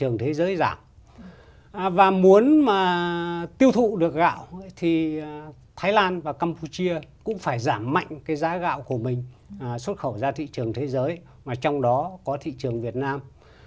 và muốn tiêu thụ được gạo thì thái lan và campuchia cũng phải giảm mạnh cái giá gạo của mình xuất khẩu ra thị trường thế giới mà trong đó có thị trường việt nam